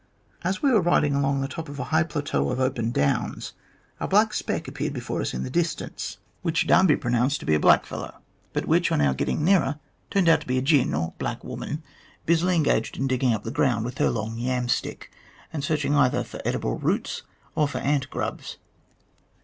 As we were riding along the top of a high plateau of open downs, a black speck appeared before us in the distance, which Darby pronounced to be a black THE EXPEKIENCES OF A PIONEER SQUATTER 89 fellow, but which, on our getting nearer, turned out to be a " gin " or black woman busily engaged in digging up the ground with her long yam stick, and searching either for edible roots or for ant grubs.